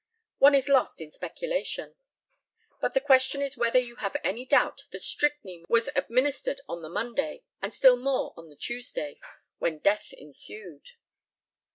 One is lost in speculation. But the question is whether you have any doubt that strychnine was administered on the Monday, and still more on the Tuesday when death ensued?